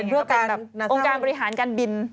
เป็นเพื่อการองค์การบริหารการบิน